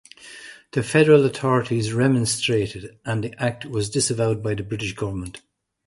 The federal authorities remonstrated, and the act was disavowed by the British government.